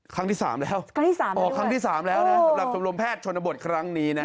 ครั้งที่๓แล้วอ๋อครั้งที่๓แล้วนะสำหรับจมรมแพทย์ชนบทครั้งนี้นะฮะ